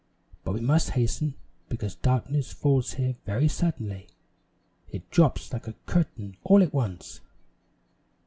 "But we must hasten, because darkness falls here very suddenly; it drops like a curtain all at once."